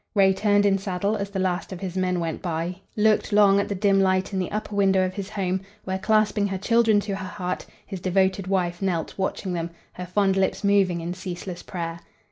Ray turned in saddle as the last of his men went by; looked long at the dim light in the upper window of his home, where, clasping her children to her heart, his devoted wife knelt watching them, her fond lips moving in ceaseless prayer.